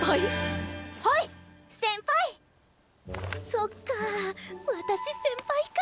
そっか私先輩か。